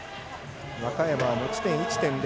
若山は持ち点１．０。